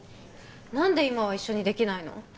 何で今は一緒にできないの？